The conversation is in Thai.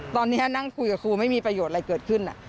ตอนนี้นั่งคุยกับครูไม่มีประโยชน์อะไรเกิดขึ้น